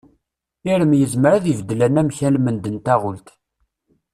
Irem yezmer ad ibeddel anamek almend n taɣult.